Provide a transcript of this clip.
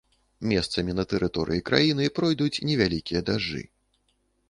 Месцамі на тэрыторыі краіны пройдуць невялікія дажджы.